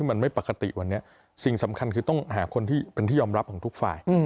มันไม่ปกติวันนี้สิ่งสำคัญคือต้องหาคนที่เป็นที่ยอมรับของทุกฝ่าย